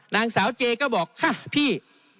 นางสาวเจก็บอกค่ะพี่